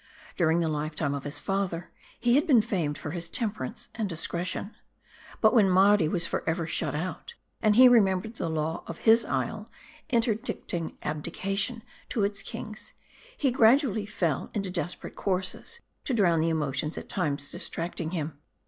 During the lifetime of his father, he had been famed for his temperance and discretion. But when Mardi was for ever shut out ; and he remembered the law of his isle, interdicting abdication to its kings ; he gradually fell into desperate courses, to drown the emotions at times distracting him.